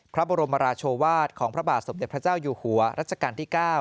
พระบรมราชวาสของพระบาทสมเด็จพระเจ้าอยู่หัวรัชกาลที่๙